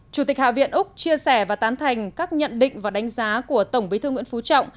chủ tịch hạ viện úc chia sẻ và tán thành các nhận định và đánh giá của tổng bí thư nguyễn phú trọng